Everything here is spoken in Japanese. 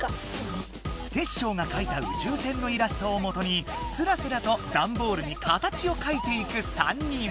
テッショウがかいた宇宙船のイラストをもとにスラスラとダンボールに形をかいていく３人。